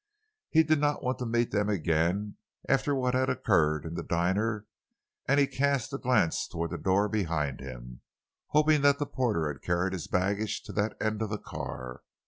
He did not want to meet them again after what had occurred in the diner, and he cast a glance toward the door behind him, hoping that the porter had carried his baggage to that end of the car.